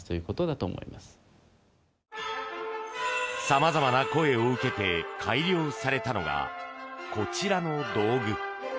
様々な声を受けて改良されたのが、こちらの道具。